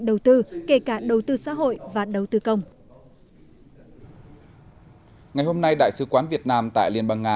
đầu tư kể cả đầu tư xã hội và đầu tư công ngày hôm nay đại sứ quán việt nam tại liên bang nga